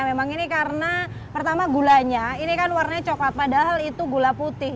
memang ini karena pertama gulanya ini kan warnanya coklat padahal itu gula putih